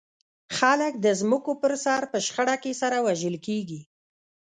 خلک د ځمکو پر سر په شخړه کې سره وژل کېږي.